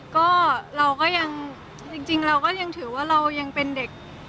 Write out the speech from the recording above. ก็เราก็ยังจริงเราก็ยังถือว่าเรายังเป็นเด็ก